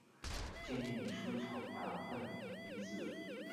建议书长达万余字。